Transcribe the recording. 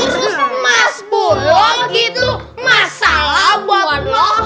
terus mas bulong itu masalah buat lo